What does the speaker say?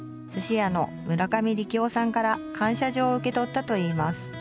すし屋の村上力男さんから感謝状を受け取ったといいます。